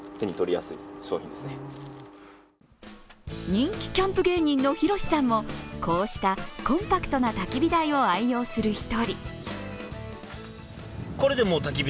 人気キャンプ芸人のヒロシさんもこうしたコンパクトなたき火台を愛用する１人。